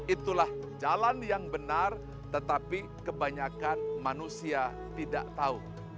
itulah jalan yang benar tetapi kebanyakan manusia tidak tahu